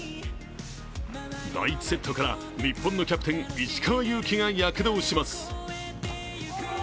第１セットから日本のキャプテン・石川祐希が躍動します。